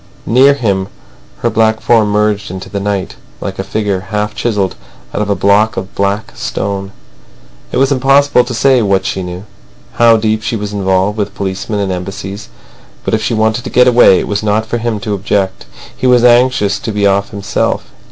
Near him, her black form merged in the night, like a figure half chiselled out of a block of black stone. It was impossible to say what she knew, how deep she was involved with policemen and Embassies. But if she wanted to get away, it was not for him to object. He was anxious to be off himself.